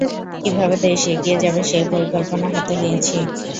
কীভাবে দেশ এগিয়ে যাবে, সেই পরিকল্পনা হাতে নিয়েছি।